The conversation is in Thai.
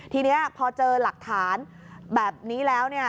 ทีนี้พอเจอหลักฐานแบบนี้แล้ว